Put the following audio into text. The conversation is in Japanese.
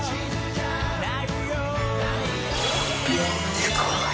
すごーい。